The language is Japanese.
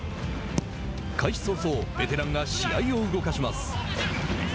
開始早々ベテランが試合を動かします。